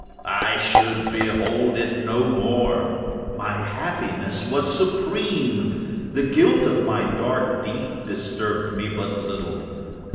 I should behold it no more! My happiness was supreme! The guilt of my dark deed disturbed me but little.